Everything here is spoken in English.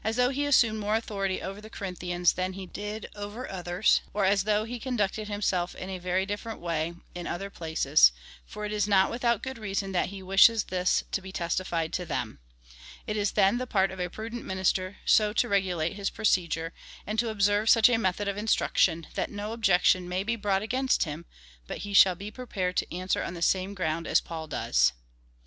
though he assumed more authority over the Corinthians than he did over others, or as thougli he conducted himself in a very different way in other places ; for it is not without good reason that he wishes this to be testified to them. It is then the part of a prudent minister so to regulate his procedure, and to observe such a method of instruction, that no such objection may be brought against him, but he shall be prepared to answer on the same ground as Paul does.